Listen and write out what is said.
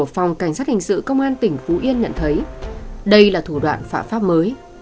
phòng cảnh sát hình sự công an tỉnh phú yên nhận thấy đây là thủ đoạn phạm pháp mới